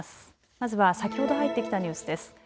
まずは先ほど入ってきたニュースです。